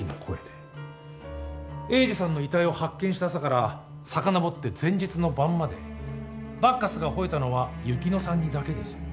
栄治さんの遺体を発見した朝からさかのぼって前日の晩までバッカスが吠えたのは雪乃さんにだけです。